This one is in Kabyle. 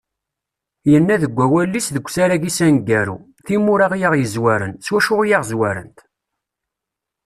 Yenna- deg wawal-is deg usarag-is aneggaru: Timura i aɣ-yezwaren, s wacu i aɣ-zwarent?